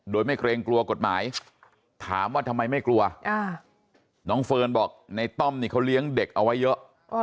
โดยไม่เกรงกลัวกฎหมายถามว่าทำไมไม่กลัวน้องเฟิร์นบอกในต้อมนี่เขาเลี้ยงเด็กเอาไว้เยอะ